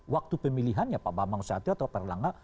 waktu pemilihan ya pak bambang suwati atau pak rilangga